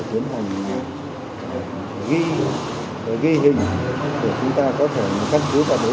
khắc phú và đối tượng